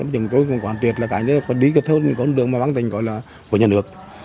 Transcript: chúng tôi cũng quan tiết là cá nhân phải đi theo con đường mà bán tình gọi là của nhà nước